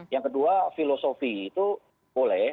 yang kedua filosofi itu boleh